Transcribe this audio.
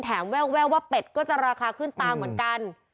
แววว่าเป็ดก็จะราคาขึ้นตามเหมือนกัน